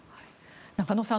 中野さん